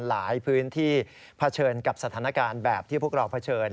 หลายพื้นที่เผชิญกับสถานการณ์แบบที่พวกเราเผชิญ